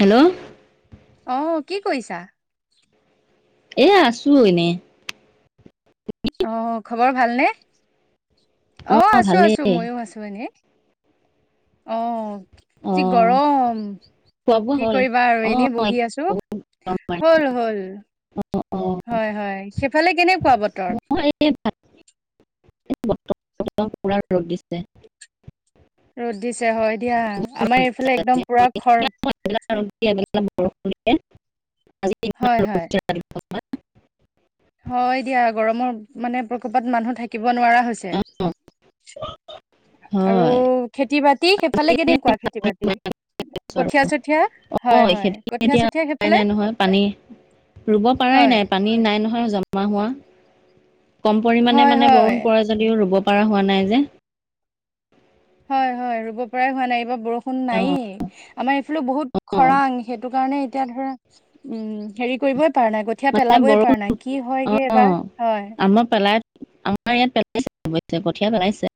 Hello আহ কি কৰিছা? এ আছো এনেই। অ খবৰ ভালনে? অ আছো-আছো মইয়ো আছো এনেই। অঁ অ যি গৰম খোৱা বোৱা কি হ'ল কৰিবা আৰু অ এনে বহি আছোঁ। বহুত গৰম মাৰিছে হল-হল অ অ হয়-হয় সেইফালে কেনেকুৱা বতৰ? বতৰ পুৰা ৰ'দ দিছে। ৰ'দ দিছে হয় দিয়া বহুত ৰ'দ আমাৰ দিছে। এইফালে একদম অ, পুৰা খৰ এতিয়া [unintelligible] বৰষুণ হয় হয় [unintelligible] হয় দিয়া গৰমৰ মানে প্ৰকোপত মানুহ থাকিব নোৱাৰা হৈছে। অ আৰু হয় খেতি-বাতি সেইফালে এতিয়া কেনেকুৱা খেতি-বাতি ওলাই আহিছো আৰু। কঠীয়া চঠিয়া অ খেতি এতিয়া উপাই সেইফালে নাই নহয় পানী ৰুব পৰাই হয় নাই পানী নাই নহয় [unintelligible] জমা হোৱা কম পৰিমাণে হয় মানে হয় বৰণ পৰে যদিও ৰুব পৰা হোৱা নাই যে হয়-হয় ৰুব পৰাই হোৱা নাই এইবাৰ বৰষুণ অ নায়েই আমাৰ বহুত অ খৰাং সেইটো কাৰণে এতিয়া ধৰা উম হেৰি কৰিবই পাৰা নাই কঠিয়া মানে পেলাবই বৰষুণ পৰা নাই কি হয় গে অ এবাৰ হয় আমাৰ পেলাই আমাৰ ইয়াত পেলাইছে অৱশ্যে কঠিয়া পেলাইছে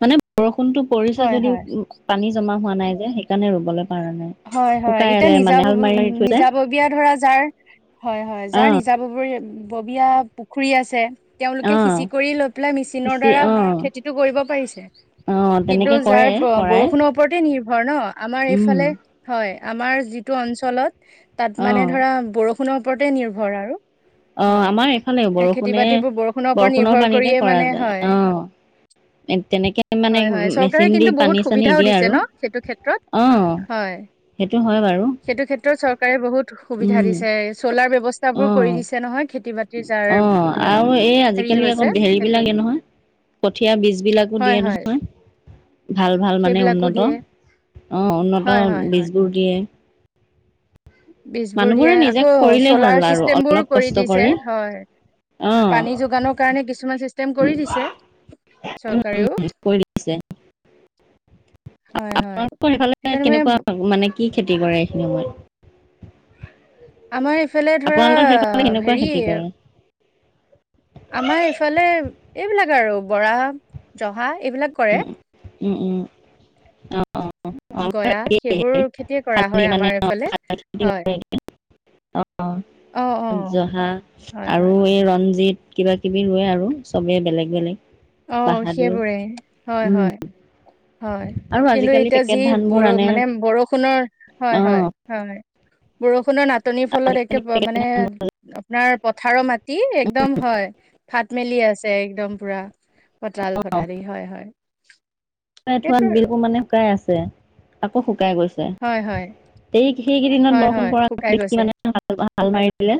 মানে বৰষুণ বৰষুণটো পৰিছে হয় হয় যদিও পানী জমা হোৱা নাই যে সেইকাৰণে ৰুবলৈ পৰা নাই। হয়-হয় শুকাই এতিয়া আছে মানে হাল মাৰি মাৰি থৈছে নিজাবব-নিজাববীয়া ধৰা যাৰ হয়-হয় অ যাৰ নিজাবৰ বীয়া ববীয়া পুখুৰী আছে তেওঁলোকে অ সিঁচি কৰি লৈ পেলাই মেচিনৰ সিঁচি দ্বাৰা অ খেতিটো কৰিব পাৰিছে। অ কিন্তু তেনেকে কৰে যাৰ কৰাই বৰষুণৰ ওপৰতে নিৰ্ভৰ ন আমাৰ উম এইফালে হয় আমাৰ যিটো অঞ্চলত তাত অ মানে ধৰা বৰষুণৰ ওপৰতে নিৰ্ভৰ আৰু অ আমাৰ এইফালে হয় বৰষুণে খেতি-বাতিবোৰ বৰষুণৰ ওপৰত নিৰ্ভৰ পানীতে কৰিয়ে কৰা মানে যায় হয় অ তেনেকে মানে হয়-হয় মেচিন চৰকাৰে দি কিন্তু পানী বহুত চানী সুবিধাও দিয়ে দিছে আৰু ন সেইটো অ ক্ষেত্ৰত হয়। সেইটো হয় বাৰু সেইটো ক্ষেত্ৰত চৰকাৰে বহুত সুবিধা উম দিছে চ'লাৰ ব্যৱহাৰ অ ব্যৱস্থাবোৰ কৰি দিছে নহয় খেতি-বাতিৰ যাৰ অ ধৰা আৰু এই হেৰি আজিকালি আকৌ হৈছে হেৰি সেইটো বিলাক নহয় কঠীয়া বীজবিলাকো হয় দিয়ে হয় নহয়। ভাল-ভাল মানে সেইবিলাকো উন্নত দিয়ে অ উন্নত হয় হয় হয় বীজবোৰ দিয়ে। বীজবোৰ দিয়ে মানুহবোৰে নিজে আকৌ কৰিলেই হ'ল চলাৰ আৰু অলপ চিষ্টেমবোৰো কৰি কষ্ট দিছে হয়। অ পানী যোগানৰ কাৰণে কিছুমান চিষ্টেম কৰি দিছে চৰকাৰেও। কৰি দিছে হয় হয় আপোনালোকৰ সেইফালে সেইকাৰণে মানে কেনেকুৱা মানে কি খেতি কৰে এইখিনি সময়ত? আমাৰ এইফালে ধৰা আপোনালোকৰ সেইফালে সেনেকুৱা খেতি হেৰি কৰে। আমাৰ ইফালে এইবিলাক আৰু বৰা, জহা এইবিলাক কৰে উম-উম-উম অ-অ অ গয়া সেইবোৰ খেতিয়ে কৰা খাল হয় মানে আমাৰ এইফালে হয় অ অ অ অ জহা হয় আৰু হয় এই ৰঞ্জিত কিবাকিবি ৰোৱে আৰু চবেই বেলেগ-বেলেগ। অ সেইবোৰেই উম হয়-হয়-হয় আৰু কিন্তু আজিকালি এতিয়া পেকেট যি ধান বোৰ ব আনে মানে বৰষুণ বৰষুণৰ অ হয়-হয়-হয় বৰষুণৰ নচ নাটনিৰ ফলত ধান একে মানে শুকাই আপোনাৰ পথাৰৰ মাটি একদম হয়। ফাট মেলি আছে একদম পুৰা। কঠাল ফটাদি হয় হয় শুকাই থোৱা সেইটো আৰু বিলবোৰ মানে শুকাই আছে আকৌ শুকাই গৈছে। হয় হয় এই সেইকেইদিনত হয় হয় বৰষুণ পৰা শুকাই দেখি গৈছে মানে হাল হাল মাৰি দিলে।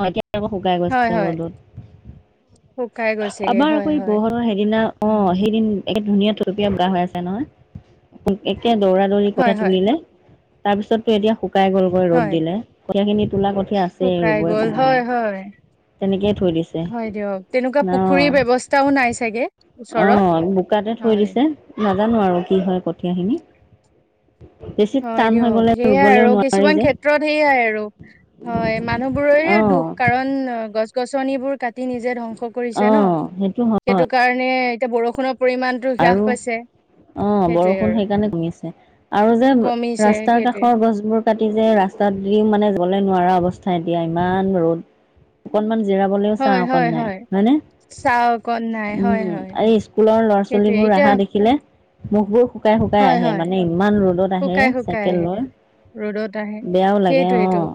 অ এতিয়া আকৌ শুকাই হয় গৈছে হয় ৰ'দত। শুকাই গৈছেগে আমাৰ হয়, আকৌ এই হয়, বৰহণৰ সেইদিনা। অ সেইদিন একে ধুনীয়া থলপীয়া বা হৈ আছে নহয়। একে দৌৰা দৌৰি হয়, কঠিয়া হয়, তুলিলে তাৰপিছতো এতিয়া শুকাই গলগৈ ৰ'দ হয়, দিলে কঠিয়া খিনিত তোলা কঠিয়া আছেই শুকাই ৰুবই গ'ল পৰা নাই। হয়, হয়, তেনেকেই থৈ দিছে হয়, দিয়ক তেনেকুৱা ন পুখুৰীৰ ব্যৱস্থাও নাই চাগে অ ওচৰত বোকা তাতে থৈ হয়, দিছে নাজানো আৰু কি হয় কঠীয়াখিনি। বেছি হয় টান হৈ দিয়ক গ'লে সেইয়াই ৰুবলেও আৰু নোৱাৰি কিছুমান যে ক্ষেত্ৰত সেইয়াই আৰু। হয় মানুহ বোৰৰে দুখ অ কাৰণ অ গছ গছনিবোৰ কাটি নিজে ধ্বংস কৰিছে ন অ', সেইটো হয় কাৰণে এতিয়া বৰষুণৰ। পৰিমাণটো হ্ৰাস আৰু পাইছে অ সেইটোৱে বৰষুণ আৰু সেইকাৰণে কমিছে আৰু যে কমিছে ৰাস্তাৰ সেইটোৱে কাষৰ গছবোৰ কাটি যে ৰাস্তাত দিও মানে যলে নোৱাৰা অৱস্থা দিয়া ইমান ৰ'দ অকনমান জিৰাবলৈও চা হয়, অকণ হয়, নাই হয়, হয়নে। চাহ অকণ নাই হয়, উম হয়, আৰু স্কুলৰ ল'ৰা ছোৱালী। সেইটোৱে বোৰ এতিয়া অহা দেখিলে মুখবোৰ শুকাই শুকাই হয়, আহে হয়, মানে ইমান ৰ'দত আহে শুকাই শুকাই চাইকেল লৈ। আহে ৰ'দত আহে বেয়াও লাগে সেইটোৱেইটো অ',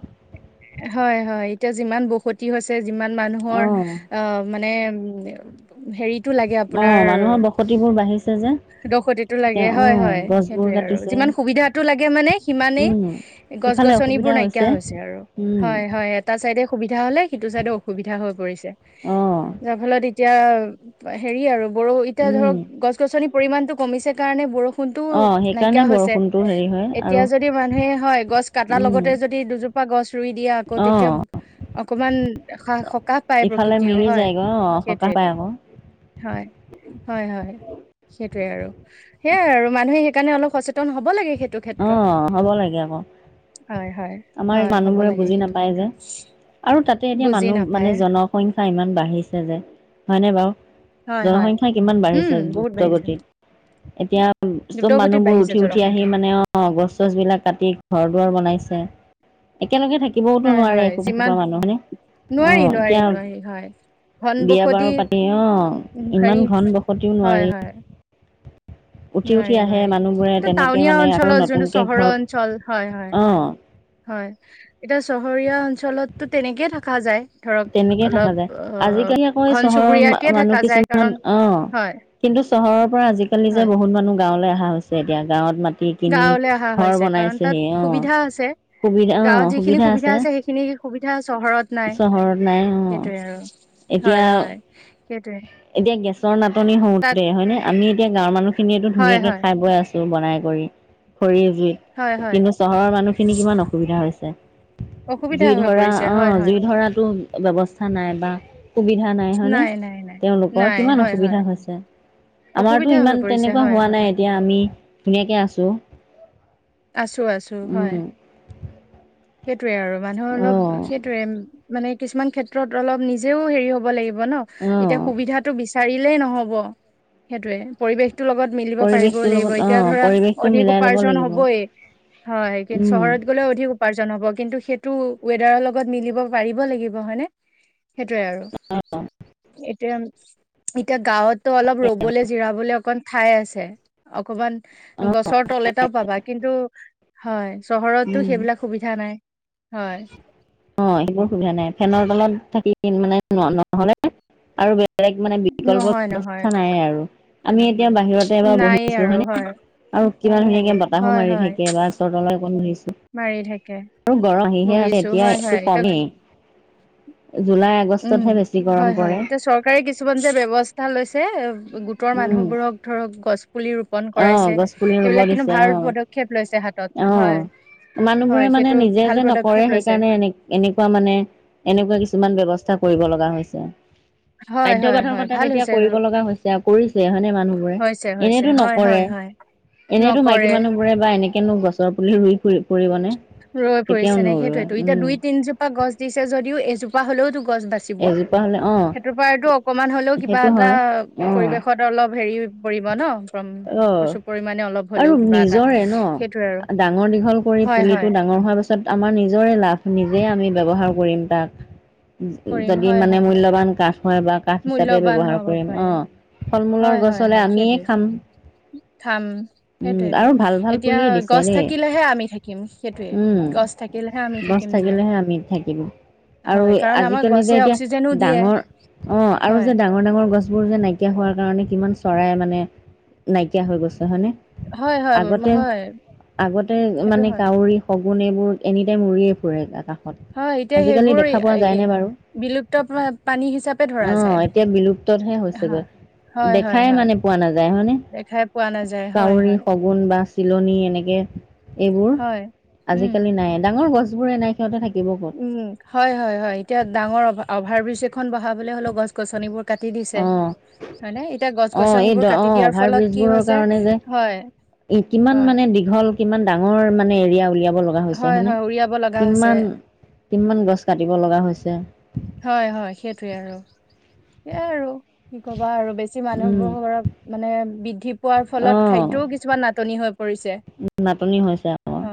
হয় হয়। এতিয়া যিমান বসতি হৈছে যিমান মানুহৰ অ'। আহ মানে উ হেৰিতটো লাগে আপোনাৰ। অ', মানুহৰ বসতিবোৰ বাঢ়িছে যে দসতিটো লাগে এতিয়া হয় অ', হয় গছবোৰ সেইটোয়ে আৰু। কাটিছে। যিমান সুবিধাটো লাগে মানে সিমানেই উম, গছ ইফালে গছনিবোৰ অসুবিধা নাইকিয়া হৈছে আৰু উম। হয় হয়। এটা চাইডে সুবিধা হলে সিটো চাইডে অসুবিধা হৈ পৰিছে অ', যাৰ ফলত এতিয়া হেৰি আৰু ব এতিয়া উম, ধৰক গছ গছনি পৰিমণতটো কমিছে কাৰণে বৰষুণ। কোনতু অ', নাই। সেইকাৰণে হৈছে বৰষুণটো হেৰি হয় আৰু এতিয়া যদি মানুহে হয় গছ কটাৰ উম, লগতে যদি দুজোপা গছ ৰুই দিয়ে আকৌ তেতিয়া অ', অকমান সকাহ পায় ইফালে প্ৰকৃতিয়ও মিলি হয় যায়গৈ অ', সকাহ পাই সেইটোৱেইটো। আকৌ হয় হয় হয়। সেইটোয়ে আৰু সেইয়াই আৰু মানুহে সেইকাৰণে অলপ সচেতন হ'ব লাগে। সেইটো অ ক্ষেত্ৰত হ'ব লাগে আকৌ। হয় হয় আমাৰ হয় হ'ব মানুহবোৰে লাগে বুজি সেইটো নাপায় যে ক্ষেত্ৰত। আৰু তাতে এতিয়া বুজি মানুহ নাপায় মানে জনসংখ্যা ইমান বাঢ়িছে যে হয়নে বাৰু। হয় হয় জনসংখ্যা কিমান উম বাঢ়িছে বহুত বাঢ়িছে দ্ৰুতগতিত। এতিয়া চব দ্ৰুতগতিত মানুহবোৰ বাঢ়িছে উঠি উঠি আহি জনসংখ্যা মানে অ অ গছ চছ বিলাক কাটি ঘৰ দুৱাৰ বনাইছে। একেলগে থাকিবওতো হয় নোৱাৰে হয় এসোপা যিমান এসোপা মানুহ হয়নে নোৱাৰি অ', নোৱাৰি এতিয়া নোৱাৰি হয়। ঘন বিয়া বাৰু বসতি পাতি অ' ইমান হেৰি ঘন বসতিও হয় নোৱাৰি হয়। উঠি উঠি নোৱাৰি আহে নোৱাৰি মানুহবোৰে এইটো তেনেকে টাউনীয়া মানে অঞ্চল আকৌ লত যোনটো নতুনকে চহৰ ঘৰ অঞ্চল হয় হয় অ' [unintelligible] হয়, এতিয়া চহৰীয়া অঞ্চলতো তেনেকেই থাকা যায়। ধৰক তেনেকেই অলপ থাককা যায়। অ আজিকালি আকৌ এই ঘন চহৰৰ চুবুৰীয়াকে মানুহ থকা যায় কিছুমান কাৰণ অ হয় কিন্ত। চহৰৰ পৰা আজিকালি যে, হয় বহুত মানুহ গাঁওলৈ আহা হৈছে এতিয়া গাঁৱত ম। কিনি গাঁৱলৈ অহা ঘৰ হৈছে কাৰণ তাত বনাইছেহি অ। সুবিধা আছে সুবিধা অ গাঁৱত যিখিনি সুবিধা আছে সেইখিনি সুবিধা চহৰত নাই চহৰত। নাই অ সেইটোৱে আৰু হয় এতিয়া হয় সেইটোৱে এতিয়া গেছ। গেছৰ নাটনি তাত হওঁতে হয় ননে আমি এতিয়া গাঁৱৰ মানুহখিনিয়েতো হয় ধুনীয়াকৈ হয় খাই বৈ আছোঁ। বনাই কৰি, খৰি জুইত হয় হয় কিন্তু চহৰৰ মানুহখিনি কিমান অসুবিধা হৈছে। অসুবিধা জুই হৈ ধৰা পৰিছে অ হয় হয় জুই কথাটো ধৰাতটো। স্থা নাই বা সুবিধা নাই হয়নে? নাই নাই তেওঁলোকৰ নাই কিমান হয় হয় অসুবিধা হৈছে। আমাৰতো অসুবিধা হৈ ইমান পৰিছে তেনেকুৱা হয় হোৱা নাই, কথাটো এতিয়া আমি ধুনীয়াকে আছো। আছো আছো হয়। উম সেইয়ে আৰু মানুহৰ অ অলপ সেইটোৱে মানে কিছুমান ক্ষেত্ৰত অলপ নিজেও হেৰি হ'ব লাগিব। ন অ এতিয়া সুবিধাটো বিচাৰিলেই নহব সেইটয়ে পৰিৱেশ। লগত মিলিব পৰিৱেশটোৰ পাৰিবই লাগিব, লগত অ এতিয়া ধৰা পৰিৱেশটো অধিক মিলাই লব উপাৰ্জন লাগিব হ'ব। হয়, কিন্তু উম চহৰত গ'লেও অধিক। উপাৰ্জন হব, কিন্তু সেইটো ৱেডাৰ লগত মিলিব পা। সেইটোৱে আৰু। এতিয়া এতিয়া গাঁৱততো অলপ ৰবলে জিৰাবলে অকন। ঠাই আছে অকমান অ গছৰ তল এটাও পাবা কিন্তু হয়। চহৰতটো উম সেইবিলাক সুবিধা নাই হয়। অ সেইবোৰ সুবিধা নাই, ফেনৰ তলত থাকি মানে নহলে আৰু। বেলেগ মানে বিকল্প নহয় নহয় ব্যৱস্থা নাই আৰু আমি। এতিয়া বাহিৰতে এবাৰ নায়ে বহিছো আৰু হয়নে, হয় আৰু কিবা ধুনীয়াকে। বতাহো হয় মাৰি হয় থাকে বা ওচ তলৈ অকণ ধৰিছো মাৰি থাকে আৰু গৰহিহে আছে বহিছো এতিয়াই হয় [unintelligible] হয় এতিয়া কমেই জুলাই উম আগষ্টতহে বেছি। গৰম হয় হয়, পৰে এতিয়া চৰকাৰে কিছুমান যে ব্যৱস্থা লৈছে গোটৰ উম মানুহবোৰক ধৰক গছ পুলি। ন অ কৰাইছে গছ পুলি ৰুব সেইবিলাক কিন্তু দিছে অ ভাল পদক্ষেপ লৈছে হাতত অ হয়। হয় মানুহবোৰে মানে সেইটো নিজে ভাল যে নকৰে পদক্ষেপ লৈছে সেইকাৰণে এনে এনেকুৱা মানে এনেকুৱা কিছুমান ব্যৱস্থা। কৰিব লগা হৈছে। হয় বাধ্য হয় বাধকতা হয় কথা ভাল তেতিয়া হৈছে কৰিব লগা হৈছে আৰু কৰি। হয়নে মানুহ বোৰে হৈছে হৈছে এনেইতো হয় নকৰে হয় হয় এনেইতো মাইকী নকৰে মানুহ বোৰে বা এনে কেনে গছৰ পুলি ৰুই ফুৰিম। ৰৈ ফুৰিছে নে, সেইটোয়েতো এতিয়া উম দুই তিনজোপা গছ দিছে যদিও এজোপা হলেও তো। গছ বাচিব। এজোপা হলে অ সেইটোৰ পৰাতটো অকমান হলেও কিবা সেইটো এটা হয় অ পৰিবেশত অলপ হেৰি পৰিব ন। প্ৰচুৰ পৰিমাণে অলপ অ' হ'লেও আৰু কিবা এটা নিজৰে সেইটোৱে আৰু ন ডাঙৰ দীঘল কৰি। হয় হয় পুলিটো ডাঙৰ হোৱাৰ পাছত আমাৰ নিজৰে লাভ নিজে আমি ব্যৱহাৰ কৰিম তাক। কৰিম যদি হয় মানে হয় মূল্যবান কাষ। হয় বা, কাষ হিচাপে মূল্যবান ব্যৱহাৰ হ'ব কৰিম পাৰে অ ফল হয় মূলৰ গছ হয় হলে হয় আমিয়ে সেইটোৱে খাম। খাম উম সেইটোইটো। আৰু ভাল ভাল এতিয়া পুলিয়ে দিছে গছ দেই থাকিলেহে আমি থাকিম সেইটোয়ে। উম গছ থাকিলেহে আমি গছ থাকিম জীয়াই। থাকিলেহে আমি থাকিম। আৰু হয় কাৰণ আমাক আজিকালি যে গছে এতিয়া অক্সিজেনো দিয়ে। ডাঙৰ অ' আৰু হয় যে ডাঙৰ ডাঙৰ গছবোৰ যে নাইকিয়া হোৱাৰ কাৰণে কিমান চৰাই মানে। নাইকিয়া হৈ গৈছে হয়নে? হয় হয় আগতে হয় আগতে সেইটো মানে হয় কাউৰী। গুণ এইবোৰ এনিটাইম উৰিয়ে ফুৰে হয় আকাশত। এতিয়া আজিকালি সেইবোৰ এ- দেখা পোৱা এ- যায়নে বাৰু? বিলুপ্ত প্ৰা- প্ৰাণী হিচাপে ধৰা আহ যায় এতিয়া বিলুপ্ততহে হয়, হৈছেগৈ। হয়, হয়, দেখাই হয়, মানে পোৱা নাযায় হয় নে? দেখাই পোৱা নাযায় হয়, কাউৰী হয়, শগুন বা চিলনী, এনেকে এইবোৰ। হয়। উম, আজিকালি নাই ডাঙৰ গছ বোৰে নাই সিহতে থাকে। উম, হয় - হয় - হয়। এতিয়া ডাঙৰ অ- অভাৰ ব্ৰিজ এখন বহাবলে হ'লেও গছ-গছনিবোৰ কাটি দিছে। অ'। হয় নে? এতিয়া অ', এই গছ-গছনিবোৰ দ কাটি অ', দিয়াৰ ফলত কি হৈছে, হয় এ কিমান হয়। মানে দীঘল, কিমান ডাঙৰ মানে এৰিয়া উলিয়া ব লগা হৈছে, হয় নে? উৰিয়াব লগা হৈছে কিমান কিমান গছ কাটিব লগা হৈছে। সেইয়াই আৰু। কি কবা আৰু। বেছি উম, মানুহবোৰো মানে বি পোৱাৰ ফলত খাদ্যও কিছুমান নাটনি হৈ পৰিছে উম, নাটনি হৈছে অ। [inaudible]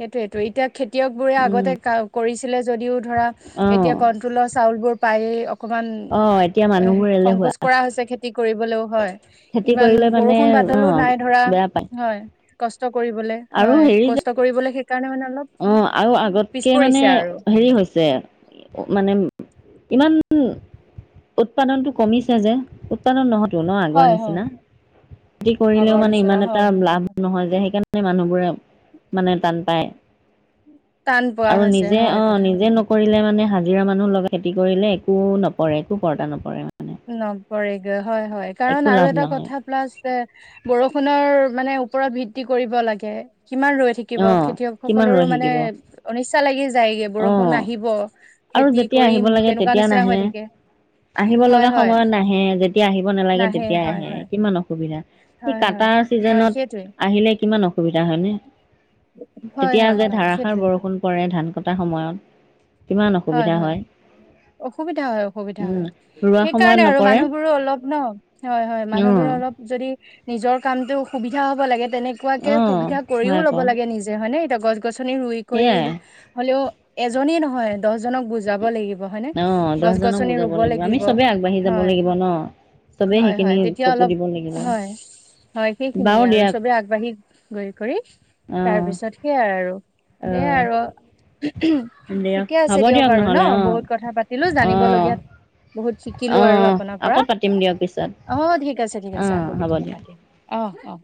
সেইটোৱেটো। এতিয়া খেতিয়কবোৰে উম, আগতে ক- কৰিছিলে, যদিও ধৰা এতিয়া অ', কন্ট্ৰলৰ চাউলবোৰ পায়ে অকমান অ', এতিয়া এ- মানুহবোৰ এলেহুৱা সংকোচ কৰা হৈছে খেতি কৰিবলৈও, হয়। খেতি ইমান কৰিলে মানে বৰষুণ বা বাদলো অ', নাই ধৰা। বেয়া পায় হয়। কষ্ট কৰিবলে। আৰু হয়। হেৰি যে কষ্ট কৰিবলে সে অ' আৰু আগতকে মানে পৰিছে আৰু হেৰি হৈছে মানে ইমান উৎপাদনটো কমিছে যে। উৎপাদন নহ তো ন' আগৰ হয় হয় নিচিনা, খেতি কৰিলেও আগৰ মানে নিচিনা ইমান এটা হয় হয় লাভ নহয় যে, সেইকাৰণে মানুহবোৰে মানে টান পায়। টান পোৱা আৰু হৈছে নিজে- হয় অ' কথাটো নিজে নকৰিলে মানে হা জিৰা মানুহ লগাই খেতি কৰিলে, একো নপৰে, একো কৰ্তা নপৰে। মানে নপৰে গে, হয় - হয়। কাৰণ একো আৰু লাভ এটা নহয় কথা প্লাছ এ বৰষুণৰ মানে ওপৰত ভিক্তি কৰিব লাগে। কিমান ৰৈ থাকিব? অ কিমান ৰৈ খেতিয়কসকলৰো মানে থাকিব অনিচ্ছা লাগি যায়গে, অ বৰষুণ আহিব। আৰু খেতি যেতিয়া আহিব কৰিম লাগে, তেনেকুৱা তেতিয়া নিচিনা হৈ নাহে। থাকে আহি ব হয় লগা হয় সময়ত নাহে, যেতিয়া আহিব নালাগে নাহে তেতিয়া হয় আহে, হয় কিমান অসুবিধা। সি হয় হয় কাটাৰ হয় সেইটোৱে ছিজনত আহিলে কিমান অসুবিধা, হয় নে? হয় তেতিয়া হয় যে হয় ধাৰাসাৰ সেইটোৱেতো বৰষুণ পৰে, ধান কটাৰ সময়ত। ইমান অসুবিধা হয়। [inaudible] অসুবিধা হয় - অসুবিধা উম, হয়। ৰোৱা সময়ত সেইকাৰণে আৰু নপৰে মানুহবোৰো অলপ ন', হয় - হয়, মানুহবোৰো অ', অলপ যদি নিজৰ কামতো সুবিধা হ'ব লাগে, তেনেকুৱাকে অ', সুবিধা কৰিও হয় ল'ব আকৌ লাগে নিজে, হয় নে? এতিয়া গছ গছনি ৰুই সেয়াই কৰিল- হ'লেও এজনে নহয় জনক বুজাব লাগিব, হয় নে? অ', দহজনক গছ-গছনি বুজাব ৰুব আমি লাগিব, চবেই আগবাঢ়ি যাব হয়। লাগিব ন। চবেই হয় - সেইখিনি হয়, তেতিয়া চকু অলপ- দিব লাগিব হয়। হয়, বাৰু সেইখিনিয়ে আৰু। দিয়ক চবে আগবাঢ়ি গৈ কৰি, অ', তাৰপিছত সেইয়াই আৰু। অ'। সেয়াই আৰু দিয়ক ঠিকে আছে হ'ব দিয়ক বাৰু, নহ'লে ন'? অ', বহুত কথা পাতিলোঁ অ', জানিবলগীয়া বহুত শিকিলোঁ আৰু অ', আপোনাৰ পৰা। আকৌ পাতিম দিয়ক পিছত অ' ঠিক আছে - ঠিক আছে। অ', আকৌ হ'ব কেতিয়াবা দিয়ক। পাতিম, অ'। অ'।